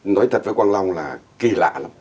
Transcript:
nói thật với quang long là kỳ lạ lắm